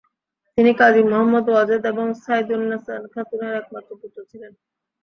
তিনি কাজী মুহম্মদ ওয়াজেদ এবং সাইদুন্নেসা খাতুনের একমাত্র পুত্র ছিলেন।